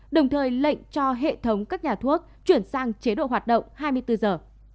đồng thời lệnh cho hệ thống các nhà thuốc chuyển sang chế độ hoạt động hai mươi bốn giờ